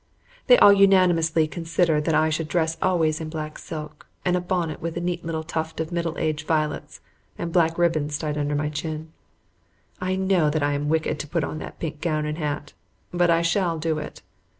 They all unanimously consider that I should dress always in black silk, and a bonnet with a neat little tuft of middle aged violets, and black ribbons tied under my chin. I know I am wicked to put on that pink gown and hat, but I shall do it.